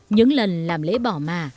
những lần làm lễ bỏ mà